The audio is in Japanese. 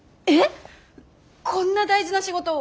こんな大事な仕事を私が？